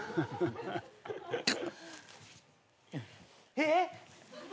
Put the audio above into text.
えっ！？